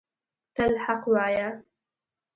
تل حق وایه